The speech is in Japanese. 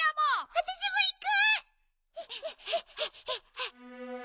あたしもいく！